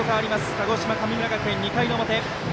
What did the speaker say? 鹿児島、神村学園、２回の表。